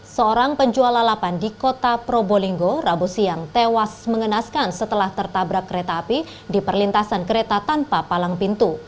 seorang penjual lalapan di kota probolinggo rabu siang tewas mengenaskan setelah tertabrak kereta api di perlintasan kereta tanpa palang pintu